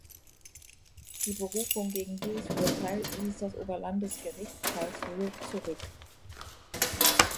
Die Berufung gegen dieses Urteil wies das Oberlandesgericht Karlsruhe zurück.